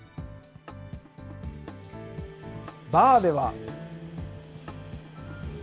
バーでは。